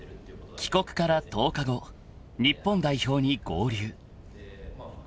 ［帰国から１０日後日本代表に合流］